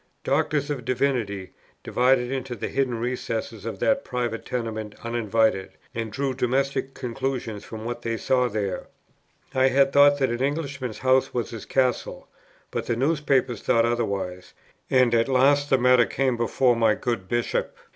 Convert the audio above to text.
Doctors of Divinity dived into the hidden recesses of that private tenement uninvited, and drew domestic conclusions from what they saw there. I had thought that an Englishman's house was his castle; but the newspapers thought otherwise, and at last the matter came before my good Bishop.